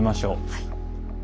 はい。